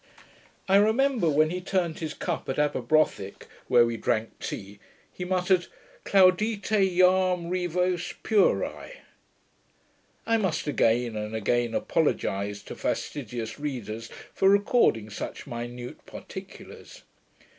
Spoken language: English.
I remember when he turned his cup at Aberbrothick, where we drank tea, he muttered, Claudite jam rivos, pueri. I must again and again apologize to fastidious readers, for recording such minute particulars.